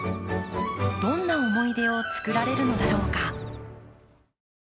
どんな思い出を作られるのだろうか。